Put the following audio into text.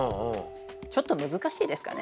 ちょっと難しいですかね。